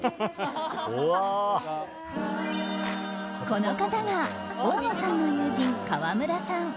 この方が大野さんの友人河村さん。